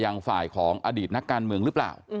ยังฝ่ายของอดีตนักการเมืองหรือเปล่า